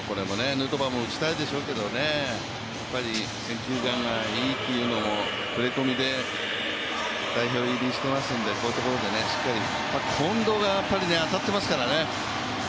ヌートバーも打ちたいでしょうけど、やっぱり選球眼がいいというのも触れ込みで代表入りしているので、こういうところでしっかり、近藤がやっぱり当たっていますからね。